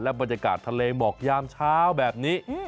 บรรยากาศทะเลหมอกยามเช้าแบบนี้